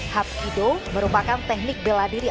hapkido merupakan teknik bela diri asal korea